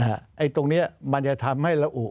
อะไอตรงเนี้ยมันจะทำให้ละอุ